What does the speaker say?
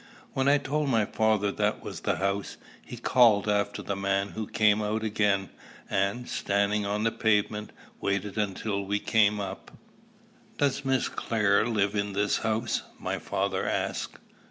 When I told my father that was the house, he called after the man, who came out again, and, standing on the pavement, waited until we came up. "Does Miss Clare live in this house?" my father asked.